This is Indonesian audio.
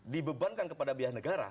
dibebankan kepada biaya negara